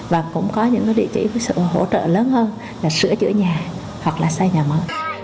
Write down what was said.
và cũng có những cái địa chỉ hỗ trợ lớn hơn là sửa chữa nhà hoặc là xây nhà mở